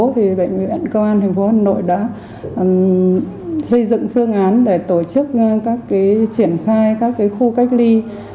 thì bệnh viện công an thành phố hà nội đã xây dựng phương án để tổ chức các cái triển khai các cái khu cách ly